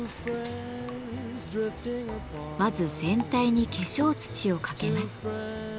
まず全体に化粧土をかけます。